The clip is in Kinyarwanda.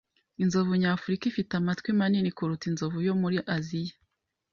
Inzovu nyafurika ifite amatwi manini kuruta inzovu yo muri Aziya.